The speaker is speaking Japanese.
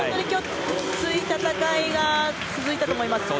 きつい戦いが続いたと思います。